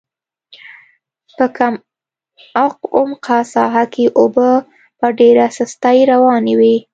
په کم عمقه ساحه کې اوبه په ډېره سستۍ روانې وې.